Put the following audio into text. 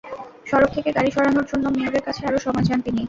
সড়ক থেকে গাড়ি সরানোর জন্য মেয়রের কাছে আরও সময় চান তিনি।